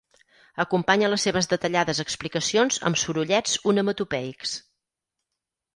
Acompanya les seves detallades explicacions amb sorollets onomatopeics.